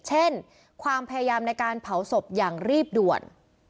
เช่นความพยายามในการเผาศพอย่างรีบด่วน